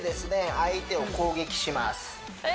相手を攻撃しますえ